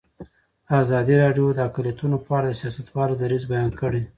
ازادي راډیو د اقلیتونه په اړه د سیاستوالو دریځ بیان کړی.